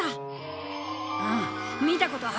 うん見たことある。